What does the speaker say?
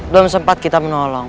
belum sempat kita menolong